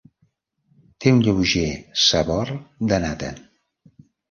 Té un lleuger sabor de nata.